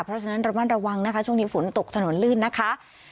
เพราะฉะนั้นระมัดระวังนะคะช่วงนี้ฝนตกถนนลื่นนะคะ